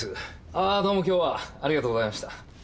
ああどうもきょうはありがとうございました。